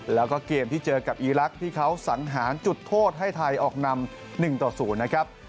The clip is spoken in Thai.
แล้วก็เกมที่เจอกับอีรักษ์ที่เขาสังหารจุดโทษให้ไทยออกนำ๑ต่อ๐นะครับ